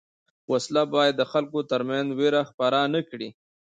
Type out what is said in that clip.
وسله باید د خلکو تر منځ وېره خپره نه کړي